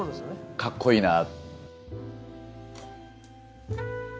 かっこいいなあ！